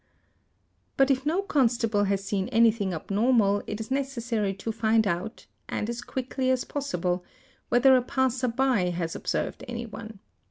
| But if no constable has seen anything abnormal, it is necessary to find out—and as quickly as possible—whether a passer by has observed anyone.